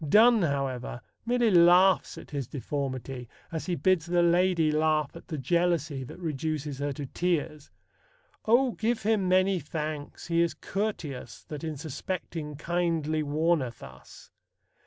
Donne, however, merely laughs at his deformity, as he bids the lady laugh at the jealousy that reduces her to tears: O give him many thanks, he is courteous, That in suspecting kindly warneth us.